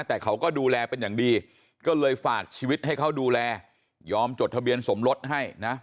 แต่เขาก็ดูแลเป็นอย่างดีก็เลยฝากชีวิตให้เขาดูแลยอมจดทะเบียนสมรสให้นะ